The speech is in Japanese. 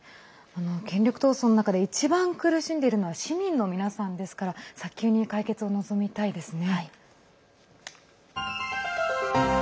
権力闘争の中で一番苦しんでいるのは市民の皆さんですから早急に解決を望みたいですね。